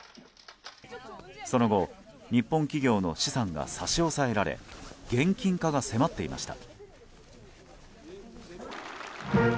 その後、日本企業の資産が差し押さえられ現金化が迫っていました。